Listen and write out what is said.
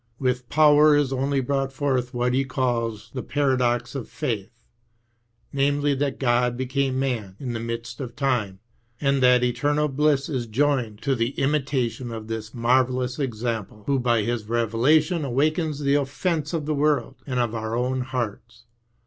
With power is only brought forth what he calls the paradox of faith, — namely, that God became man in the midst of time, and that eternal bliss is joined to the imitation of this marvellous Example, who by His revelation awakes the offence of the world and of our own hearts.